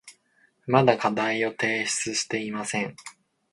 まだ課題を提出していません。